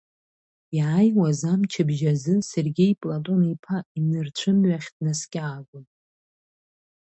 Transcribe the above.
Иааиуаз амчыбжь азы Сергеи Платон-иԥа инырцәымҩахь днаскьаагон.